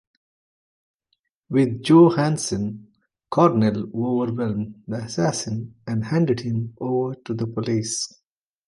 With Joe Hansen, Cornell overwhelmed the assassin and handed him over to the police.